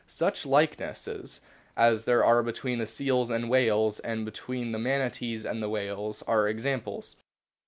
Such likenesses as there are between the seals and the whales and between the Manatees and the whales are examples.